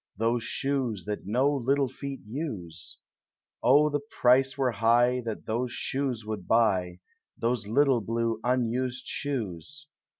Those shoes that uo little feet use. O the price were high That those shoes would buy, Those little blue unused shoes!